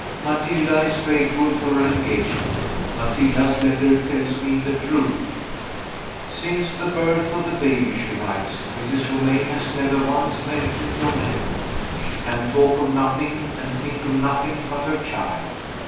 Matilda is faithful to her engagement; Matilda's letter tells me the truth. "Since the birth of the baby," she writes, "Mrs. Romayne has never once mentioned your name; she can talk of nothing, and think of nothing, but her child.